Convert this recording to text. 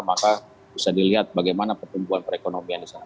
maka bisa dilihat bagaimana pertumbuhan perekonomian di sana